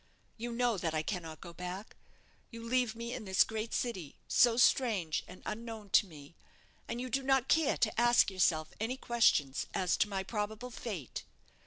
You know that I cannot go back. You leave me in this great city, so strange and unknown to me, and you do not care to ask yourself any questions as to my probable fate.